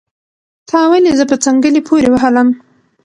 تا ولې زه په څنګلي پوري وهلم